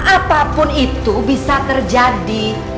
apapun itu bisa terjadi